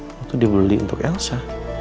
waktu dibeli untuk elsa